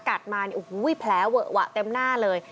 กัดมาโอ้โฮแผลเวอะวะเต็มหน้าเลย